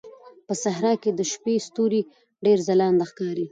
په صحراء کې د شپې ستوري ډېر ځلانده ښکاري.